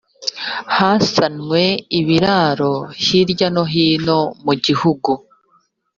hasanwe ibiraro hirya no hino mu gihugu